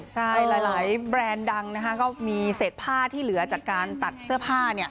ใช่หลายแบรนด์ดังก็มีเศษผ้าที่เหลือจากการตัดเสื้อผ้า